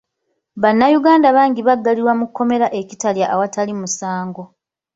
Bannayuganda bangi baggalirwa mu kkomera e Kitalya awatali musango.